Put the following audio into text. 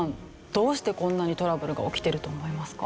どうしてこんなにトラブルが起きてると思いますか？